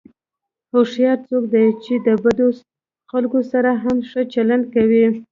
هوښیار څوک دی چې د بدو خلکو سره هم ښه چلند کوي.